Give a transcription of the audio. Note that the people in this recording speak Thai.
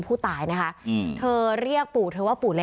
ประตู๓ครับ